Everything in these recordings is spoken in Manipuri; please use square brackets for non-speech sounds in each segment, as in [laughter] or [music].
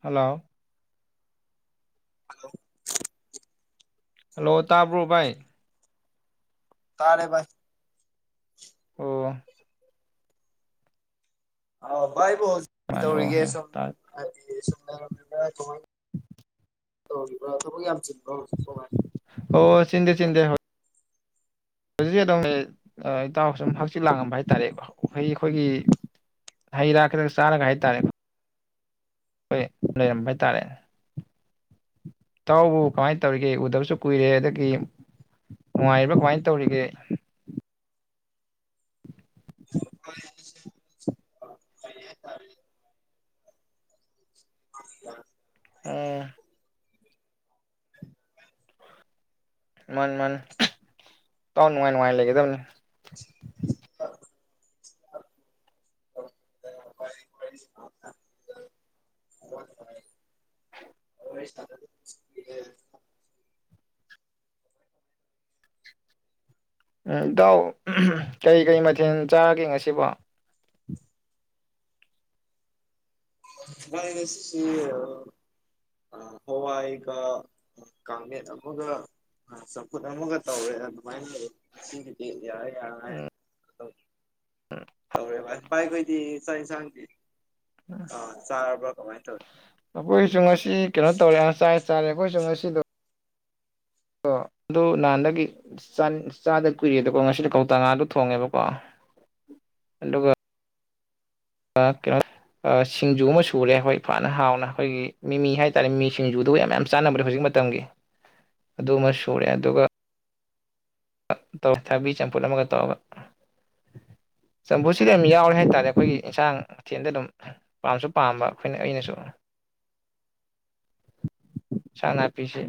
ꯍꯜꯂꯣ ꯑꯥꯜꯂꯣ ꯍꯜꯂꯣ ꯇꯥꯕ꯭ꯔꯣ ꯚꯥꯏ ꯇꯥꯔꯦ ꯚꯥꯢ ꯑꯣ ꯑ ꯚꯥꯏꯕꯨ ꯍꯧꯖꯤꯛꯤ ꯃꯥꯅꯦ ꯑꯣ ꯇꯧꯔꯤꯒꯦ ꯍꯦ ꯁꯨꯝ ꯇꯥꯔꯦ ꯍꯥꯏꯗꯤ ꯁꯨꯝ ꯂꯩꯔꯝꯃꯤꯕ꯭ꯔ ꯀꯃꯥꯏ ꯇꯧꯔꯤꯕ꯭ꯔꯣ ꯊꯕꯛ ꯌꯥꯝ ꯆꯤꯟꯕ꯭ꯔꯣ ꯍꯧꯖꯤꯛꯄꯨ ꯚꯥꯏ ꯑꯣ ꯆꯤꯟꯗꯦ ꯆꯤꯟꯗꯦ ꯍ ꯍꯧꯖꯤꯛꯁꯦ ꯑꯗꯨꯝ ꯏꯇꯥꯎꯁꯨꯨꯝ ꯍꯛꯆꯤꯛ ꯂꯥꯡꯉꯝꯕ ꯍꯥꯏꯇꯥꯔꯦ ꯑꯩ ꯑꯩꯈꯣꯏꯒꯤ ꯍꯩ ꯔꯥ ꯈꯤꯇꯪ ꯆꯥꯔꯒ ꯍꯥꯏꯇꯥꯔꯦꯀꯣ ꯑꯩꯈꯣꯏ ꯂꯩꯔꯝꯕ ꯍꯥꯏꯇꯥꯔꯦ ꯇꯥꯎꯕꯨ ꯀꯃꯥꯏꯅ ꯇꯧꯔꯤꯒꯦ ꯎꯗꯕꯁꯨ ꯀꯨꯏꯔꯦ ꯑꯗꯒꯤ ꯅꯨꯡꯉꯥꯏꯔꯤꯕ꯭ꯔꯥ ꯀꯃꯥꯏ ꯇꯧꯔꯤꯒꯦ [unintelligible] ꯑꯣ [unintelligible] ꯃꯥꯅꯤ ꯃꯥꯅꯤ ꯇꯥꯎ ꯅꯨꯡꯉꯥꯏ ꯅꯨꯡꯉꯥꯏ ꯂꯩꯒꯗꯕꯅꯤ [inaudible] [unintelligible] [unintelligible] ꯎꯝ ꯏꯇꯥꯎ ꯑꯍꯝ ꯀꯔꯤ ꯀꯔꯤ ꯃꯊꯦꯜ ꯆꯥꯔꯒꯦ ꯉꯁꯤꯕꯣ [unintelligible] ꯑ ꯍꯋꯥꯏ ꯀ ꯀꯦꯠ ꯑꯃꯒ ꯑ ꯆꯥꯎꯈꯨꯠ ꯑꯃꯒ ꯇꯧꯋꯦ ꯑꯗꯨꯃꯥꯏꯅꯋ ꯉꯁꯤꯒꯤꯗꯤ ꯌꯥꯔꯦ ꯌꯥꯔꯦ ꯎ ꯇꯧꯔꯦ ꯄꯥꯏꯈꯣꯏꯗꯤ ꯆꯥꯛ ꯌꯦꯟꯁꯥꯡꯗꯤ ꯑꯥ ꯆꯥꯔꯕ꯭ꯔꯥ ꯀꯃꯥꯏꯅ ꯇꯧꯋꯤ ꯑꯩꯈꯣꯏꯁꯨ ꯉꯁꯤ ꯀꯩꯅꯣ ꯇꯧꯔꯦ ꯉꯁꯥꯏ ꯆꯥꯔꯦ ꯑꯩꯈꯣꯏꯁꯨ ꯉꯁꯤꯗꯣ ꯑ ꯑꯗꯨ ꯅꯍꯥꯟꯗꯒꯤ ꯆꯥꯗ ꯀꯨꯏꯔꯦꯗꯀꯣ ꯉꯁꯤꯗ ꯀꯧꯇꯥ ꯉꯥꯗꯣ ꯊꯣꯡꯉꯦꯕꯀꯣ ꯑꯗꯨꯒ ꯀ ꯀ ꯁꯤꯡꯖꯨ ꯑꯃ ꯁꯨꯔꯦ ꯑꯩꯈꯣꯏ ꯐꯅ ꯍꯥꯎꯅ ꯑꯩꯈꯣꯏꯒꯤ ꯃꯤꯃꯤ ꯍꯥꯏ ꯇꯥꯔꯦ ꯃꯤ ꯁꯤꯡꯖꯨꯗꯨꯕꯨ ꯌꯥꯝ ꯌꯥꯝꯅ ꯆꯥꯅꯕ꯭ꯔ ꯍꯧꯖꯤꯛ ꯑꯗꯨꯃ ꯁꯨꯔꯦ ꯑꯗꯨꯒ ꯇꯧ ꯊꯥꯕꯤ ꯆꯝꯐꯨꯠ ꯑꯃꯒ ꯇꯧꯒ ꯆꯝꯐꯨꯁꯤꯗꯤ ꯌꯥꯝ ꯌꯥꯎꯔꯦ ꯍꯥꯏꯇꯥꯔꯦ ꯑꯩꯈꯣꯏꯒꯤ ꯏꯟꯁꯥꯡ ꯃꯊꯦꯜꯗ ꯑꯗꯨꯝ ꯄꯥꯝꯁꯨ ꯄꯥꯝꯕ ꯑꯩꯈꯣꯏꯅ ꯑꯩꯅꯁꯨ ꯏꯥꯡ ꯅꯥꯄꯤꯁꯦ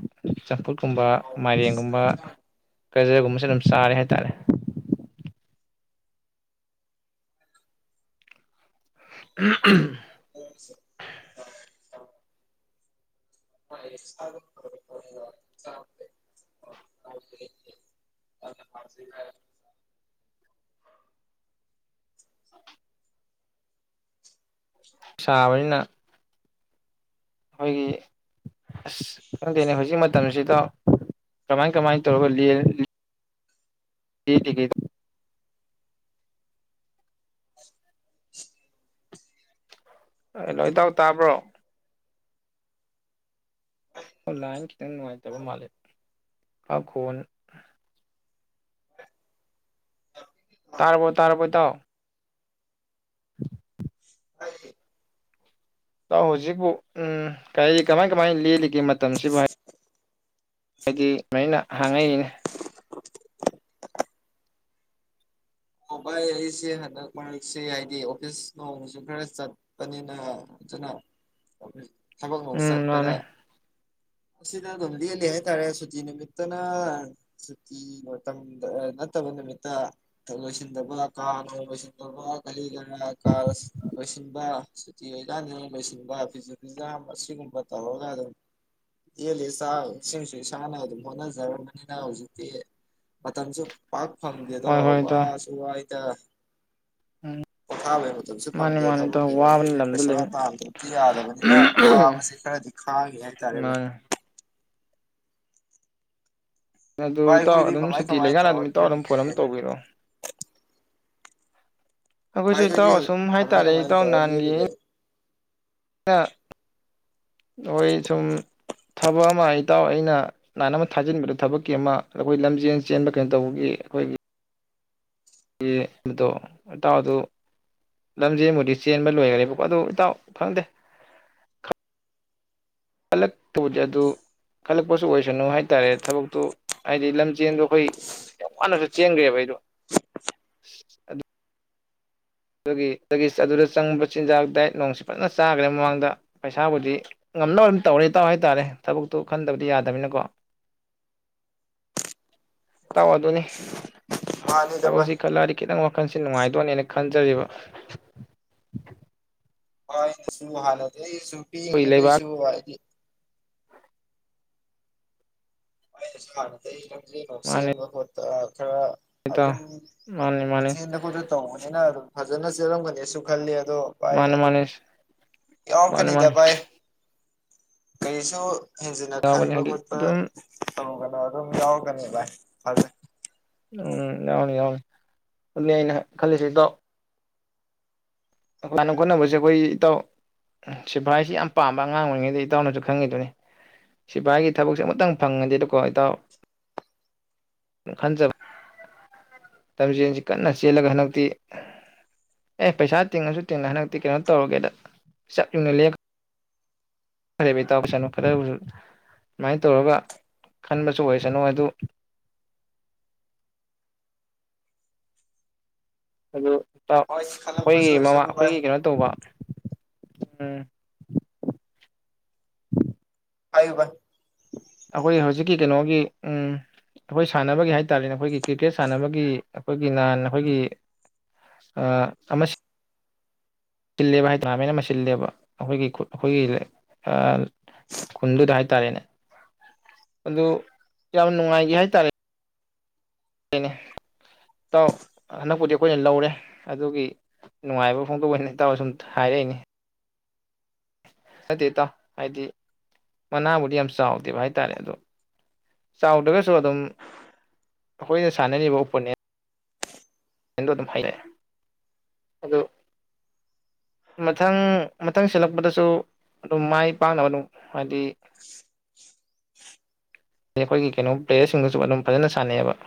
ꯆꯝꯐꯨꯠꯀꯨꯝꯕ ꯃꯥꯏꯔꯦꯡꯒꯨꯝꯕ ꯀꯖꯔꯒꯨꯝꯕꯁꯦ ꯑꯗꯨꯝ ꯆꯥꯔꯦ ꯍꯥꯏꯇꯥꯔꯦ ꯎ ꯎꯦ ꯆ ꯆ ꯔ ꯁꯥꯕꯅꯤꯅ ꯑꯩꯈꯣꯏꯒꯤ ꯑꯁ ꯈꯪꯗꯦꯅꯦ ꯍꯧꯖꯤꯛ ꯃꯇꯝꯁꯤꯗ ꯀꯃꯥꯏꯅ ꯀꯃꯥꯏ ꯇꯧꯔꯒ ꯑ ꯑꯦ ꯂꯣꯏ ꯇꯎ ꯇꯥꯕ꯭ꯔꯣ ꯑꯣꯟꯂꯥꯏꯟ ꯈꯤꯇꯪ ꯅꯨꯡꯉꯥꯏꯇꯕ ꯃꯥꯂꯦ ꯑꯈꯣꯟ ꯇꯥꯔꯔꯕꯣꯏ ꯇꯥꯔꯔꯕꯣꯏ ꯇꯥꯎ [unintelligible] ꯑ ꯍꯧꯖꯤꯛꯄꯨ ꯎꯝ ꯀꯔꯤ ꯀꯃꯥꯏ ꯀꯃꯥꯏ ꯂꯦꯜꯂꯤꯒꯦ ꯃꯇꯝꯁꯤꯕꯨ ꯍꯥꯏ ꯍꯥꯏꯗꯤ ꯁꯨꯃꯥꯏꯅ ꯍꯥꯡꯉꯛꯏꯅꯦ ꯑꯣ ꯚꯥꯏ ꯑꯩꯁꯦ ꯍꯟꯗꯛ ꯃꯔꯛꯁꯦ ꯍꯥꯏꯗꯤ ꯑꯣꯐꯤꯁ ꯅꯣꯡꯁꯨ ꯈꯔ ꯆꯠꯄꯅꯤꯅ ꯑꯗꯨꯅ ꯊꯕꯛ ꯑꯃ ꯎꯝ ꯆꯠꯄꯗ ꯃꯥꯅꯦ ꯁꯤꯗ ꯅꯗꯤ ꯂꯩ ꯍꯥꯏꯇꯥꯥꯔꯦ ꯁꯨꯇꯤ ꯃꯤꯠꯇꯅ ꯁ ꯅꯠꯇꯧꯕ ꯅꯨꯃꯤꯠꯇ ꯇꯧ ꯗ ꯀꯥ ꯗ ꯀꯂꯤꯒ ꯀꯥ ꯂꯣꯏꯁꯤꯟꯕ ꯁꯨꯇꯤ ꯑꯣꯏꯀꯥꯟꯅꯤ ꯂꯣꯏꯁꯤꯟꯕ ꯐꯤꯁꯨ ꯐꯤꯖꯥ ꯑꯁꯤꯒꯨꯝꯕ ꯇꯧꯔꯒ ꯑꯗꯨꯝ ꯌꯦꯜꯂꯤ ꯆꯁꯤꯡꯁꯨ ꯏꯁꯥꯅ ꯑꯗꯨꯝ ꯍꯣꯠꯅꯖꯔꯕꯅꯤꯅ ꯍꯧꯖꯤꯛꯇꯤ ꯃꯇꯝꯁꯨ ꯄꯥꯛ ꯐꯪꯗꯦ ꯑꯗꯣ ꯍꯣꯏ ꯍꯣꯏ ꯏꯇꯥꯎ ꯋꯥꯁꯨ ꯋꯥꯏꯗ ꯎꯝ ꯄꯣꯊꯥꯕꯩ ꯃꯇꯝꯁꯨ ꯃꯥꯅꯤ ꯐꯪꯗꯦ ꯃꯥꯅꯤ ꯊꯕꯛꯀꯤ ꯏꯇꯥꯎ ꯋꯥꯕꯅ ꯂꯝꯗ ꯄ꯭ꯔꯦꯁꯥ ꯂꯩꯕ ꯄꯥꯝꯗ꯭ꯔꯗꯤ ꯌꯥꯗꯕꯅꯤꯅ ꯋꯥꯕꯁꯤ ꯈꯔꯗꯤ ꯍ ꯍꯇꯥꯔꯦꯕ ꯃꯥꯅꯦ ꯑꯗꯨ ꯚꯥꯏ ꯏꯇꯥꯎ ꯑꯩꯈꯣꯏꯗꯤ ꯑꯗꯨꯝ ꯀꯃꯥꯏ ꯁꯨꯇꯤ ꯀꯃꯥꯏ ꯂꯩꯀꯥꯟꯅ ꯑꯗꯨꯝ ꯇꯧꯔ ꯏꯇꯥꯎ ꯑꯗꯨꯝ ꯂꯦꯜꯂꯤꯒꯦ ꯐꯣꯟ ꯑꯗꯨꯝ ꯇꯧꯕꯤꯔꯛꯑꯣ ꯑꯩꯈꯣꯏꯁꯨ ꯚꯥꯏ ꯈꯣꯏꯗꯤ ꯏꯇꯥꯎ ꯑꯁꯨꯝ ꯀꯃꯥꯏ ꯍꯥꯏꯇꯥꯔꯦ ꯀꯃꯥꯏꯅ ꯏꯇꯥꯎ ꯇꯧꯔ ꯅꯍꯥꯟꯒꯤ ꯂꯦꯜꯂꯤꯒꯦ ꯑꯩꯅ ꯍꯣꯏ ꯁꯨꯝ ꯊꯕꯛ ꯑꯃ ꯑꯩꯇꯥꯎ ꯑꯩꯅ ꯁꯨꯅꯥꯅ ꯑꯃ ꯊꯥꯖꯤꯟꯕꯗ ꯊꯕꯛꯀꯤ ꯑꯃ ꯑꯩꯈꯣꯏ ꯂꯝꯖꯦꯟ ꯆꯦꯟꯕ ꯀꯩꯅꯣ ꯇꯧꯕꯒꯤ ꯑꯩꯈꯣꯏꯒꯤ ꯑꯗꯣ ꯑꯦꯇꯥꯎꯗ ꯂꯝꯖꯦꯟꯕꯨꯗꯤ ꯆꯦꯟꯕ ꯂꯣꯏꯈ꯭ꯔꯦꯕꯀꯣ ꯑꯗꯨ ꯏꯇꯥꯎ ꯐꯪꯗꯦ ꯄꯂꯛ ꯇꯨꯖꯗꯨ ꯈꯜꯂꯛꯄꯁꯨ ꯑꯣꯏꯁꯅꯨ ꯍꯥꯏꯇꯥꯔꯦ ꯊꯕꯛꯇꯨ ꯍꯥꯏꯗꯤ ꯂꯝꯖꯦꯟꯗꯣ ꯑꯩꯈꯣꯏ ꯌꯥꯝ ꯋꯥꯅꯁꯨ ꯆꯦꯟꯈ꯭ꯔꯦꯕ ꯑꯩꯗꯣ ꯑꯗꯨꯒꯤ ꯑꯗꯨꯗꯒꯤ ꯑꯗꯨꯗ ꯆꯪꯕ ꯆꯤꯟꯖꯥꯛ ꯗꯥꯏꯠ ꯅꯣꯡꯁꯤ ꯐꯖꯅ ꯆꯥꯈ꯭ꯔꯦ ꯃꯃꯥꯡꯗ ꯄꯩꯁꯥꯕꯨꯗꯤ ꯉꯝꯅꯕ ꯑꯗꯨꯝ ꯇꯧꯔꯦ ꯇꯥꯎ ꯍꯥꯏꯇꯥꯔꯦ ꯊꯕꯛꯇꯣ ꯈꯟꯗꯕꯗꯤ ꯌꯥꯗꯕꯅꯤꯅꯀꯣ ꯇ ꯑꯗꯨꯅꯤ ꯍꯥꯟꯅꯤꯗ ꯚꯥꯏ ꯊꯁꯤ ꯈꯜꯂꯔꯤꯛ ꯈꯤꯇꯪ ꯋꯥꯈꯜꯁꯦ ꯅꯨꯡꯉꯥꯏꯗꯣꯏꯅꯦꯅ ꯈꯟꯖꯔꯤꯕ ꯍꯣꯏꯩꯅꯁꯨ ꯍꯥꯟꯅꯗꯤ ꯑꯩꯁꯨ ꯑꯩꯈꯣꯏ ꯂꯩꯕꯥꯛ ꯄꯤꯛꯏꯉꯦꯗꯁꯨ ꯍꯥꯏꯗꯤ ꯍꯥꯟꯅꯣ ꯃꯥꯅꯤ ꯆꯦꯟꯕ ꯈꯣꯠꯄ ꯈꯔ ꯏꯇꯥꯎ ꯑꯗꯨꯝ ꯃꯥꯅꯤ ꯃꯥꯅꯤ ꯆꯦꯟꯗ ꯈꯣꯠꯇ ꯇꯧꯕꯅꯤꯅ ꯑꯗꯨꯝ ꯐꯖꯅ ꯆꯦꯜꯂꯝꯒꯅꯦꯁꯨ ꯈꯜꯂꯤ ꯑꯗꯣ ꯚꯥꯏ ꯃꯥꯅꯤ ꯑꯗꯨ ꯃꯥꯅꯤ ꯃꯥꯅꯤ ꯌꯥꯎꯔꯛꯀꯅꯤꯗ ꯃꯥꯅꯤ ꯚꯥꯏ ꯀꯔꯤꯁꯨ ꯍꯦꯟꯖꯤꯟꯅ ꯌꯥꯎꯒꯅꯤ ꯈꯟꯕ ꯍꯥꯏꯗꯤ ꯈꯣꯠꯄ ꯑꯗꯨꯝ ꯇꯧꯔꯨꯒꯅ ꯑꯗꯨꯝ ꯌꯥꯎꯔꯛꯀꯅꯦ ꯚꯥꯏ ꯐꯖꯩ ꯎꯝ ꯌꯥꯎꯅꯤ ꯌꯥꯎꯅꯤ ꯑꯗꯨꯅꯤ ꯑꯩꯅ ꯈꯜꯂꯤꯁꯦ ꯏꯇꯣ ꯁꯥꯟꯅ ꯈꯣꯠꯅꯕꯁꯦ ꯑꯩꯈꯣꯏ ꯏꯇꯥꯎ ꯎ ꯁꯤꯐꯚꯥꯏꯁꯤ ꯌꯥꯝ ꯄꯥꯝꯕ ꯑꯉꯥꯡ ꯑꯣꯏꯔꯤꯉꯩꯗꯒꯤ ꯏꯇꯥꯎꯅꯁꯨ ꯈꯪꯈꯤꯗꯨꯅꯤ ꯁꯤꯐꯥꯏꯒꯤ ꯊꯕꯛꯁꯦ ꯑꯃꯇꯪ ꯐꯪꯉꯅꯤ ꯑꯗ ꯀꯣ ꯏꯇꯥꯎ ꯈꯟꯖꯕ ꯂꯝꯖꯦꯟꯁꯤ ꯀꯟꯅ ꯆꯦꯜꯂꯒ ꯍꯟꯗꯛꯇꯤ ꯑꯦ ꯄꯩꯁꯥ ꯇꯤꯡꯉꯁꯨ ꯇꯤꯡꯉ ꯍꯟꯗꯛꯇꯤ ꯀꯩꯅꯣ ꯇꯧꯔꯒꯦꯗ ꯆꯠꯂꯨꯅ ꯐꯔꯦꯕꯩ ꯇꯥꯎꯁꯅꯨ ꯈꯔꯕꯨꯁꯨ ꯑꯗꯨꯃꯥꯏꯅ ꯇꯧꯔꯒ ꯈꯟꯕꯁꯨ ꯑꯣꯏꯁꯅꯨ ꯑꯗꯨ ꯑꯗꯨ ꯍꯣꯏ ꯈꯜꯂꯛꯄꯁꯨ ꯑꯩꯈꯣꯏꯒꯤ ꯃꯃꯥ ꯑꯣꯏꯁꯅꯨ ꯚꯥꯏ ꯑꯩꯈꯣꯏꯒꯤ ꯀꯩꯅꯣ ꯇꯧꯕ ꯎ ꯍꯥꯏꯥꯏꯕ ꯑꯩꯈꯣꯏ ꯍꯧꯖꯤꯛꯀꯤ ꯀꯩꯅꯣꯒꯤ ꯎ ꯑꯩꯈꯣꯏ ꯁꯥꯟꯅꯕꯒꯤ ꯍꯥꯏꯇꯥꯥꯔꯦꯅꯦ ꯑꯩꯈꯣꯏꯒꯤ ꯀ꯭ꯔꯤꯀꯦꯠ ꯁꯥꯟꯅꯕꯒꯤ ꯑꯩꯈꯣꯏꯒꯤ ꯅꯍꯥꯟ ꯑꯩꯈꯣꯏꯒꯤ ꯑ ꯑꯃ ꯆꯤꯜꯂꯦꯕ ꯍꯥꯏ ꯇꯅꯥꯃꯦꯟ ꯑꯃ ꯁꯤꯤꯜꯂꯦꯕ ꯑꯩꯈꯣꯏꯒꯤ ꯈꯨꯠ ꯑꯩꯈꯣꯏꯒꯤ ꯈꯨꯟꯗꯨꯗ ꯍꯥꯏꯇꯥꯔꯦꯅꯦ ꯑꯗꯨ ꯌꯥꯝ ꯅꯨꯡꯉꯥꯏꯈꯤ ꯍꯥꯏꯇꯥꯔꯦꯅꯦ ꯅꯦ ꯏꯇꯥꯎ ꯍꯟꯗꯛꯄꯨꯗꯤ ꯑꯩꯈꯣꯏꯅ ꯂꯧꯔꯦ ꯑꯗꯨꯒꯤ ꯅꯨꯡꯉꯥꯏꯕ ꯐꯣꯡꯗꯣꯛ ꯇꯔ ꯁꯨꯝ ꯍꯥꯏꯔꯛꯏꯅꯤ ꯐꯠꯇꯦ ꯇꯥꯎ ꯍꯥꯏꯗꯤ ꯃꯅꯥꯕꯨꯗꯤ ꯌꯥꯝ ꯆꯥꯎꯗꯦꯕ ꯍꯥꯏꯇꯥꯔꯦ ꯑꯗꯣ ꯆꯥꯎꯗ꯭ꯔꯒꯁꯨ ꯑꯗꯨꯝ ꯑꯩꯈꯣꯏꯅ ꯁꯥꯟꯅꯔꯤꯕ ꯑꯣꯄꯣꯅꯦꯟ ꯑꯗꯣ ꯑꯗꯨꯝ ꯍꯥꯏꯔꯛꯑꯦ ꯑꯗꯨ ꯃꯊꯪ ꯃꯊꯪ ꯁꯤꯜꯂꯛꯄꯗꯁꯨ ꯑꯗꯨꯝ ꯃꯥꯏ ꯄꯥꯛꯅꯕ ꯑꯗꯨꯝ ꯍꯥꯏꯗꯤ ꯑꯩꯈꯣꯏꯒꯤ ꯀꯩꯅꯣ ꯄ꯭ꯂꯦꯌꯔꯁꯤꯡꯒꯁꯨ ꯑꯗꯨꯝ ꯐꯖꯅ ꯁꯥꯟꯅꯩꯑꯕ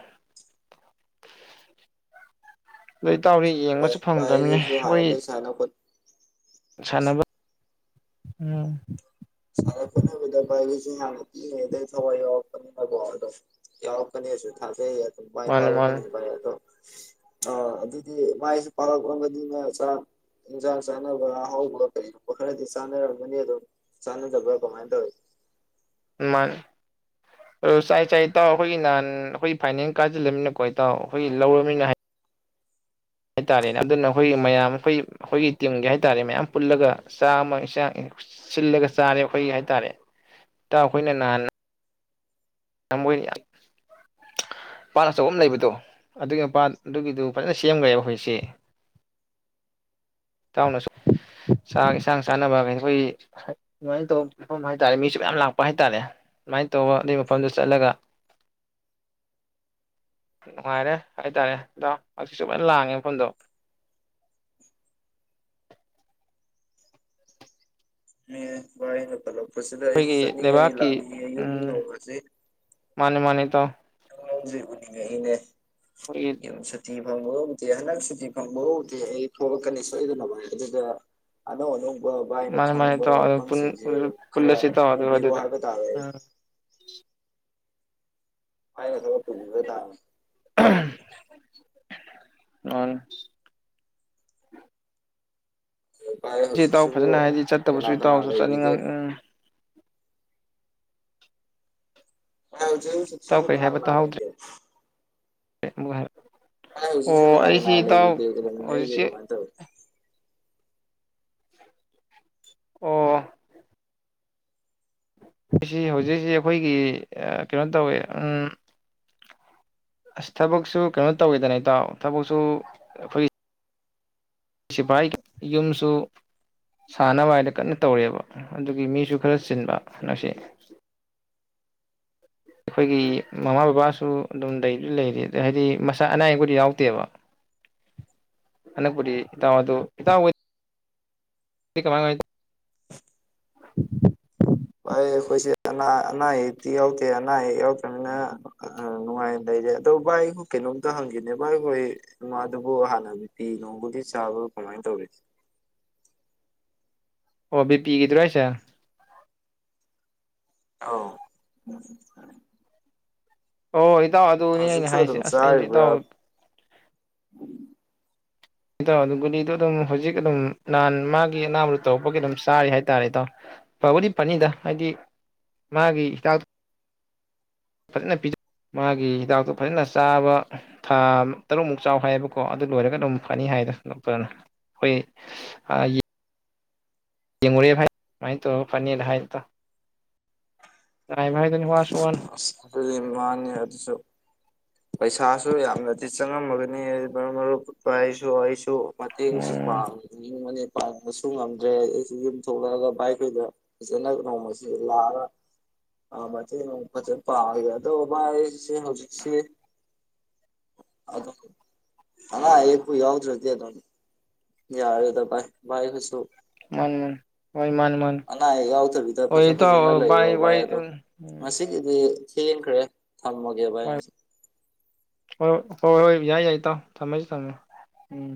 ꯂꯩ ꯇꯥꯎꯔꯤ ꯌꯦꯡꯕꯁꯨ ꯚꯥꯏ ꯐꯪꯗ꯭ꯔꯃꯤꯅꯦ ꯍꯣꯏꯁꯨ ꯍꯣꯏ ꯍꯥꯟꯅꯗꯩ ꯁꯥꯟꯅ ꯈꯣꯠꯅ ꯁꯥꯟꯅꯕ ꯎꯝ ꯁꯥꯟꯅ ꯈꯣꯠꯅꯕꯗ ꯚꯥꯏꯒꯤꯁꯤ ꯌꯥꯝꯅ ꯏꯤꯏꯉꯦ ꯑꯗꯩ ꯊꯋꯥꯏ ꯌꯥꯎꯔꯛꯄꯅꯤꯅꯀꯣ ꯑꯗꯣ ꯌꯥꯋꯥ ꯀꯅꯤꯁꯨ ꯊꯥꯖ ꯃꯥꯏ ꯃꯥꯅꯦ ꯄꯥꯎ ꯊ ꯃꯥꯅꯦ ꯄꯥꯏꯣ ꯑ ꯑꯗꯨꯗꯤ ꯃꯥꯏꯁꯨ ꯄꯥꯂꯛꯕꯅꯤꯅ ꯏꯟꯁꯥꯡ ꯆꯥꯅꯕ ꯍꯧꯕ ꯀꯩꯒꯨꯝ ꯈꯔꯗꯤ ꯆꯥꯟꯅꯔꯝꯒꯅꯤ ꯑꯗꯨꯝ ꯆꯥꯟꯅꯗꯕ꯭ꯔꯥ ꯀꯃꯥꯏꯅ ꯇꯧꯋꯤ ꯃꯥ ꯑ ꯆꯥꯏ ꯆꯥꯏ ꯏꯇꯥꯎ ꯑꯩꯈꯣꯏꯒꯤ ꯅꯍꯥꯟ ꯑꯩꯈꯣꯏꯒꯤ ꯐꯥꯏꯅꯦꯟ ꯀꯥꯁꯤꯜꯂꯃꯤꯅꯀꯣ ꯏꯇꯥꯎ ꯑꯩꯈꯣꯏꯒꯤ ꯂꯧꯔꯕꯃꯤꯅ ꯍꯥꯏ ꯍꯥꯏꯇꯥꯔꯦꯅꯦ ꯑꯗꯨꯅ ꯑꯩꯈꯣꯏꯒꯤ ꯃꯌꯥꯝ ꯑꯩꯈꯣꯏ ꯑꯩꯈꯣꯏꯒꯤ ꯇꯤꯝꯒꯤ ꯍꯥꯏꯇꯥꯥꯔꯦ ꯃꯌꯥꯝ ꯄꯨꯜꯂꯒ ꯆꯥ ꯑꯃ ꯏꯟꯁꯥꯡ ꯁꯤꯜꯂꯒ ꯆꯥꯔꯦ ꯑꯩꯈꯣꯏ ꯍꯥꯏꯇꯥꯔꯦ ꯑꯩꯈꯣꯏꯅꯍꯥꯟ ꯌꯥꯝꯕꯨꯅꯤ ꯄꯥꯠ ꯑꯆꯧꯕ ꯑꯃ ꯂꯩꯕꯗꯣ ꯑꯗꯨꯒꯤ ꯃꯄꯥ ꯑꯗꯨꯒꯤꯗꯨ ꯐꯖꯅ ꯁꯦꯝꯈ꯭ꯔꯦꯕ ꯑꯩꯖꯤꯣꯏꯁꯤꯦ ꯇꯥꯎꯅ ꯆꯥꯛ ꯌꯦꯟꯁꯥꯡ ꯆꯥꯅꯕ ꯀ ꯑꯩꯈꯣꯏꯒꯤ ꯑꯗꯨꯃꯥꯏꯅ ꯇꯧꯕꯤꯐꯝ ꯍꯥꯏꯇꯥꯔꯦ ꯃꯤꯁꯨ ꯃꯌꯥꯝ ꯂꯥꯛꯄ ꯍꯥꯏꯇꯥꯔꯦ ꯁꯨꯃꯥꯏꯅ ꯇꯧꯕ ꯑꯗꯨꯒꯤ ꯃꯐꯝꯗꯨ ꯆꯠꯂꯒ ꯅꯨꯡꯉꯥꯏꯔꯦ ꯍꯥꯏꯇꯥꯔꯦ ꯏꯗꯥꯎ ꯑꯩꯁꯤꯁꯨꯨ ꯂꯥꯏꯅ ꯂꯥꯡꯉꯦ ꯃꯐꯝꯗꯣ ꯃꯤ ꯏ ꯅꯄꯂ ꯄꯨꯠꯁꯤꯗ ꯑꯩ ꯑꯩꯈꯣꯏꯒꯤ ꯆꯠꯅꯤꯡꯉꯩ ꯂꯩꯕꯥꯛꯀꯤ ꯂꯥꯛꯅꯤꯡꯉꯤ ꯌꯨꯝ ꯎꯝ ꯂꯣꯡꯔꯁꯤ ꯃꯥꯅꯦ - ꯃꯥꯅꯦ ꯏꯇꯥꯎ꯫ [unintelligible] ꯍꯣꯏꯌꯦ꯫ ꯌꯥꯝ ꯁꯨꯇꯤ ꯐꯪꯕ ꯎꯗꯦ ꯍꯟꯗꯛ ꯁꯨꯇꯤ ꯐꯪꯕꯒꯕꯨꯗꯤ ꯑꯩ ꯊꯣꯛꯂꯛꯀꯅꯤ ꯁꯣꯏꯗꯅ ꯚꯥꯏ ꯑꯗꯨꯗ꯫ ꯑꯅꯧ- ꯑꯅꯧꯕ ꯚꯥꯏꯅ ꯃꯥꯅꯦ ꯃꯥꯅꯦ ꯈꯪꯕ ꯏꯇꯥꯎ ꯑꯗꯨ ꯄꯨꯟ ꯃꯐꯝꯁꯤꯡꯁꯦ ꯑꯗꯨꯝ ꯈꯔ ꯄꯨꯜꯂꯁꯤ ꯏꯇꯥꯎ ꯑꯗꯨꯒ ꯄꯨꯕꯤꯔꯣ ꯑꯗꯨꯗ ꯍꯥꯏꯕ ꯇꯥꯔꯦ꯫ ꯎꯝ ꯑꯩꯅ ꯑꯗꯨꯝ ꯄꯨꯕꯤꯕ ꯇꯥꯕꯅꯤ ꯫ ꯑ [unintelligible] ꯆꯠꯁꯦ ꯏꯇꯥꯎ ꯐꯖꯅ ꯍꯥꯏꯗꯤ ꯀꯅꯥ ꯆꯠꯇꯕꯁꯨ ꯀꯅꯥ ꯏꯇꯥꯎꯁꯨ ꯂꯩꯔꯤꯒꯦ ꯆꯠꯅꯤꯡꯉꯝ ꯎꯝ꯫ ꯃꯧꯁꯤꯕꯨ ꯏꯇꯥꯎ ꯍꯧꯖꯤꯛꯁꯤꯕꯨ ꯀꯩ ꯍꯥꯏꯕ ꯀꯅꯥ-ꯀꯅꯥ ꯇꯥꯍꯧꯗ꯭ꯔꯦ ꯂꯩꯒꯦ? ꯑꯃꯨꯛ ꯍꯥꯏꯔꯛꯑꯣ ꯚꯥꯏ ꯍꯧꯖꯤꯛꯁꯤ ꯑꯣ ꯀꯅꯥ ꯀꯅꯥ ꯑꯩꯁꯤ ꯏꯇꯥꯎ ꯂꯩꯔꯤꯒꯦ ꯀꯩꯗꯧꯃꯤꯟꯅꯔꯤꯒꯦ ꯍꯧꯖꯤꯛꯁꯦ ꯫ ꯀꯃꯥꯏꯅ ꯇꯧꯋꯤ ꯑꯣ꯫ ꯑꯩꯁꯤ ꯍꯧꯖꯤꯛ- ꯍꯧꯖꯤꯛ ꯑꯩꯈꯣꯏꯒꯤ ꯀꯩꯅꯣ ꯇꯧꯏ ꯎꯝ꯫ ꯑꯁ ꯊꯕꯛꯁꯨ ꯀꯩꯅꯣ ꯇꯧꯈꯤꯗ꯭ꯔꯦ ꯏꯇꯥꯎ ꯊꯕꯛꯁꯨ ꯑꯩꯈꯣꯏ꯫ ꯁꯤꯐꯥꯏꯒꯤ ꯌꯨꯝꯁꯨ꯫ ꯁꯥꯟꯅꯕ ꯍꯥꯏꯅ ꯀꯟꯅ ꯇꯧꯔꯤꯕ ꯑꯗꯨꯒꯤ ꯃꯤꯁꯨ ꯈꯔ ꯆꯤꯟꯕ ꯉꯁꯤ꯫ ꯑꯩꯈꯣꯏꯒꯤ ꯃꯃꯥ ꯕꯕꯥꯁꯨ ꯑꯗꯨꯝ ꯂꯩꯗꯤ- ꯂꯩꯔꯤ ꯑꯗꯥ ꯍꯥꯏꯗꯤ ꯃꯁꯥ ꯑꯅꯥ ꯑꯌꯦꯛ ꯄꯨꯗꯤ ꯌꯥꯎꯗꯦꯕ [inaudible] ꯍꯜꯂꯛꯄꯗꯤ ꯏꯇꯥꯎ ꯑꯗꯨ ꯏꯇꯥꯎ ꯍꯣꯏ꯫ [unintelligible] ꯚꯥꯏ ꯑꯩꯈꯣꯏꯁꯦ ꯑꯅꯥ- ꯑꯅꯥ ꯑꯌꯦꯛꯇꯤ ꯌꯥꯎꯗꯦ ꯑꯅꯥ ꯑꯌꯦꯛ ꯌꯥꯎꯗ꯭ꯔꯕꯅꯤꯅ ꯫ ꯎꯝ ꯅꯨꯡꯉꯥꯏꯅ ꯂꯩꯔꯦ ꯑꯗꯣ ꯚꯥꯏ ꯑꯩ ꯍꯣꯏ ꯀꯩꯅꯣꯝꯇ ꯍꯪꯒꯦꯅꯦ ꯚꯥꯏ ꯍꯣꯏ ꯃꯥꯗꯨꯕꯨ ꯍꯥꯟꯅ ꯕꯤ ꯄꯤ ꯅꯧꯕꯒꯤ ꯆꯥꯕꯔꯣ ꯀꯃꯥꯏꯅ ꯇꯧꯔꯤ? ꯑꯣ ꯕꯤ ꯄꯤ ꯒꯤꯗꯨꯔꯣ ꯍꯥꯏꯁꯦ꯫ ꯑꯧ꯫ ꯑꯣ ꯏꯇꯥꯎ ꯑꯗꯨꯅꯦ ꯑꯩꯅ ꯍꯧꯖꯤꯛꯁꯨ ꯍꯥꯏꯁꯦ ꯑꯗꯨꯝ ꯑꯁ ꯑꯩꯁꯨ ꯆꯥꯔꯤꯕ꯭ꯔꯥ ꯏꯇꯥꯎ꯫ ꯏꯇꯥꯎ ꯑꯗꯨ ꯒꯨꯂꯤꯗꯨꯣ ꯑꯗꯨꯝ ꯍꯧꯖꯤꯛ ꯑꯗꯨꯝ ꯅꯍꯥꯟ ꯃꯥꯒꯤ ꯑꯅꯥꯕꯗꯨ ꯇꯧꯔꯛꯄꯒꯤ ꯑꯗꯨꯝ ꯆꯥꯔꯤ ꯍꯥꯏꯇꯥꯔꯦ ꯏꯏꯥꯎ ꯐꯕꯨꯗꯤ ꯐꯥꯅꯤꯗ ꯍꯥꯏꯗꯤ ꯃꯥꯒꯤ ꯍꯤꯗꯥꯛꯇꯣ ꯐꯖꯅ ꯄꯤꯖ -ꯃꯥꯒꯤ ꯍꯤꯗꯥꯛꯇꯣ ꯐꯖꯅ ꯆꯥꯕ ꯊꯥ ꯇꯔꯨꯛꯃꯨꯛ ꯆꯥꯎ ꯍꯥꯏꯌꯦꯕꯀꯣ ꯑꯗꯨ ꯂꯣꯏꯔꯒ ꯑꯗꯨꯝ ꯐꯅꯤ ꯍꯥꯏꯗ ꯗꯣꯛꯇꯔꯅ꯫ [unintelligible] ꯌꯦꯡꯉꯨꯔꯦ ꯚꯥꯏ ꯑꯗꯨꯃꯥꯏ ꯇꯧꯔꯒ ꯐꯅꯤꯅ ꯍꯥꯏ ꯏꯇꯥꯎ ꯉꯥꯏꯕ ꯍꯥꯏꯗꯨꯅꯤ ꯋꯥꯔꯁꯨ ꯋꯥꯅꯥ ꯫ [unintelligible] ꯄꯩꯁꯥꯁꯨ ꯌꯥꯝꯅꯗꯤ ꯆꯪꯉꯝꯃꯒꯅꯤ [unintelligible] ꯑꯩꯁꯨ ꯎꯝ ꯄꯥꯡꯅꯤꯡꯕꯅꯦ ꯄꯥꯡꯕꯁꯨ ꯉꯝꯗ꯭ꯔꯦ ꯑꯩꯁꯨ ꯌꯨꯝ ꯊꯣꯛꯂꯛꯂꯒ ꯚꯥꯏꯈꯣꯏꯗ ꯐꯖꯅ ꯅꯣꯡꯃꯥ ꯂꯥꯛꯂꯒ ꯑꯥ ꯃꯇꯦꯡ ꯑꯃꯨꯛ ꯐꯖꯅ ꯄꯥꯡꯑꯒꯦ ꯑꯗꯣ ꯚꯥꯏ ꯑꯩꯁꯦ ꯍꯧꯖꯤꯛꯁꯦ ꯑꯗꯨꯝ - ꯑꯅꯥ ꯑꯌꯦꯛꯄꯨ ꯌꯥꯎꯗ꯭ꯔꯗꯤ ꯑꯗꯨꯝ ꯌꯥꯔꯦꯗ ꯚꯥꯏ -ꯚꯥꯏ ꯍꯣꯏꯁꯨ ꯃꯥꯟꯅꯦ- ꯃꯥꯟꯅꯦ ꯍꯣꯏ ꯃꯥꯟꯅꯦ ꯃꯥꯟꯅꯦ ꯑꯅꯥ ꯑꯌꯦꯛ ꯌꯥꯎꯗꯕꯤꯗ ꯐꯖ- ꯐꯖꯅ ꯂꯩꯔꯣ ꯚꯥꯏ ꯋꯥꯔꯤ ꯑꯗꯣ ꯎꯝ ꯎꯝ ꯉꯁꯤ ꯑꯗꯨꯗꯤ ꯊꯦꯟꯈ꯭ꯔꯦ ꯊꯝꯃꯥꯒꯦ ꯚꯥꯏ ꯉꯁꯤ ꯍꯣ-ꯍꯣꯏ ꯌꯥꯏ ꯌꯥꯏ ꯇꯥꯎ ꯊꯝꯃꯁꯤ ꯊꯝꯃꯦ ꯎꯝ